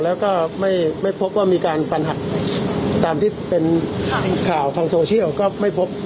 แล้วก็ไม่พบว่ามีการฟันหักตามที่เป็นข่าวทางโซเชียลก็ไม่พบ